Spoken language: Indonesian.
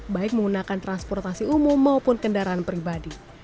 baik menggunakan transportasi umum maupun kendaraan pribadi